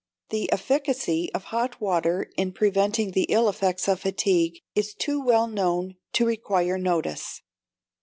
The efficacy of hot water in preventing the ill effects of fatigue is too well known to require notice.